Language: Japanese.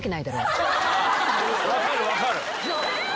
分かる分かる。